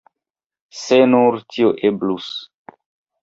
Se nur tio eblus!